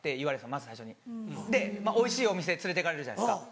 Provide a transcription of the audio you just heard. まず最初に。でおいしいお店連れて行かれるじゃないですか。